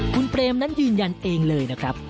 คุณเปรมนั้นยืนยันเองเลยนะครับ